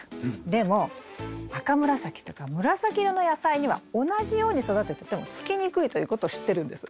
でも赤紫とか紫色の野菜には同じように育てててもつきにくいということを知ってるんです。